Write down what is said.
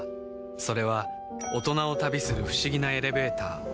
それは大人を旅する不思議なエレベーター